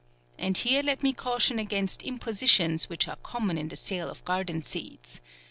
And here let me caution against impositions which are com mon in the sale of garden seeds.